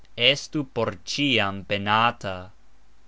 Estu por cxiam benata!